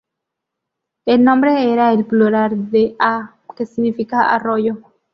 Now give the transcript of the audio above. El nombre era el plural de "á", que significa "arroyo".